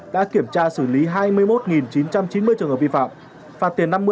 đã kiểm tra xử lý hai mươi một chín trăm chín mươi trường hợp vi phạm